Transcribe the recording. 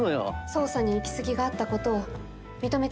捜査に行き過ぎがあったことを認めていただけないでしょうか？